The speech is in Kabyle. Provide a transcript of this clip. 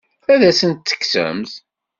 Ad asent-t-tekksemt?